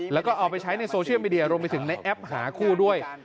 แล้วก็เอาไปใช้ในโซเชียลมีเดียรวมไปถึงในแอปหาคู่ด้วย